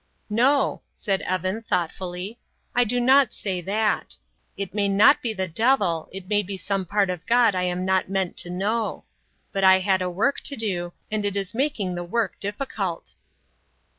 "No," said Evan, thoughtfully, "I do not say that. It may not be the devil, it may be some part of God I am not meant to know. But I had a work to do, and it is making the work difficult."